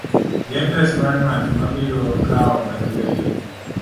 gi adres mar ng'at ma biro kawo barupeni,